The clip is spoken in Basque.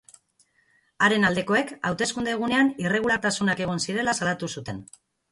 Haren aldekoek hauteskunde egunean irregulartasunak egon zirela salatu zuten.